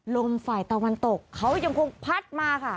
ลมฝ่ายตะวันตกเขายังคงพัดมาค่ะ